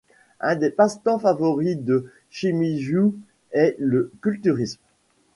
Un des passe temps favori de Shimizu est le culturisme.